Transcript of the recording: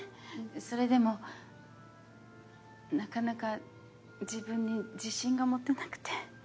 それでもなかなか自分に自信が持てなくて。